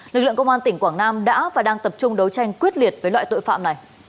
lực lượng công an tỉnh quảng nam đã và đang tập trung đấu tranh quyết liệt với loại tội phạm này